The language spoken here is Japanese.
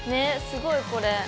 すごいこれ。